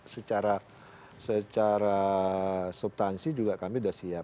secara subtansi juga kami sudah siap